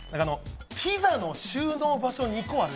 ピザの収納場所２個ある？